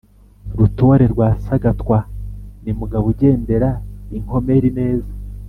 Rutore rwa Sagatwa ni Mugabo ugendera inkomeri neza